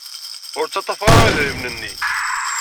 Ur ttaḍḍafeɣ ara idrimen-nni.